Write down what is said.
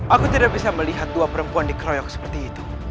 aku tidak bisa melihat dua perempuan dikeroyok seperti itu